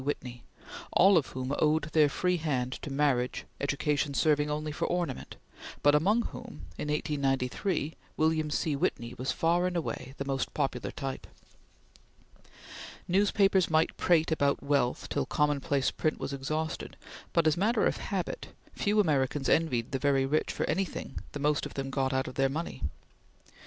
Whitney; all of whom owed their free hand to marriage, education serving only for ornament, but among whom, in 1893, William C. Whitney was far and away the most popular type. Newspapers might prate about wealth till commonplace print was exhausted, but as matter of habit, few Americans envied the very rich for anything the most of them got out of money.